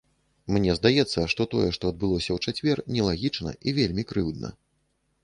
Мне здаецца, што тое, што адбылося ў чацвер, нелагічна і вельмі крыўдна.